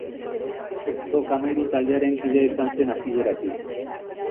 Ez Dok Amairu taldearen kidea izan zen hasieratik.